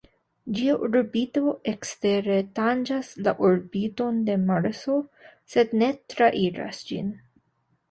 Ĝia orbito ekstere tanĝas la orbiton de Marso sed ne trairas ĝin.